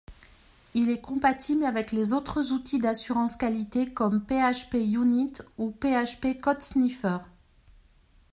Il est compatible avec les autres outils d’assurance qualité comme PHPUnit ou PHP CodeSniffer.